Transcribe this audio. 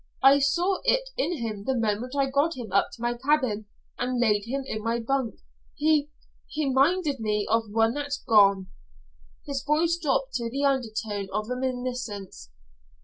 I saw it in him the moment I got him up to my cabin and laid him in my bunk. He he minded me of one that's gone." His voice dropped to the undertone of reminiscence.